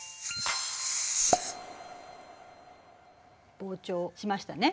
膨張しましたね。